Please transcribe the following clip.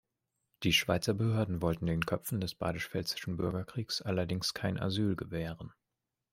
Die Schweizer Behörden wollten den Köpfen des badisch-pfälzischen Bürgerkriegs allerdings kein Asyl gewähren.